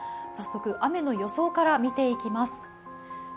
早速、雨の予想から見ていきます。